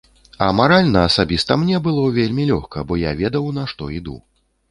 А маральна асабіста мне было вельмі лёгка, бо я ведаў, на што іду.